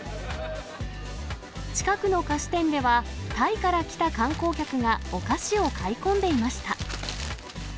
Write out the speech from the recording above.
近くの菓子店では、タイから来た観光客がお菓子を買い込んでいました。